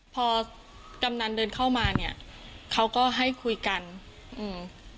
พอกำนันเดินเข้ามาเนี้ยเขาก็ให้คุยกันอืม